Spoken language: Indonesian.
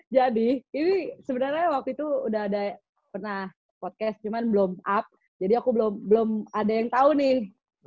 jadi ini sebenarnya waktu itu udah ada pernah podcast cuman belum up jadi aku belum ada yang tahu nih